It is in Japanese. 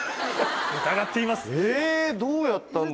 疑っています。